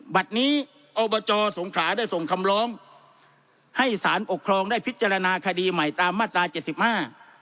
บัตรนี้อบจสงขราได้ส่งคำร้องให้สารปกครองได้พิจารณาคดีใหม่ตามมาตราเจ็ดสิบห้า